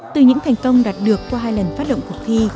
từ những thành công đạt được qua hai lần phát động cuộc thi